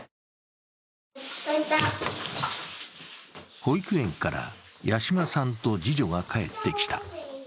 保育園から八島さんと次女が帰ってきた。